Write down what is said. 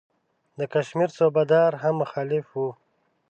د کشمیر صوبه دار هم مخالف وو.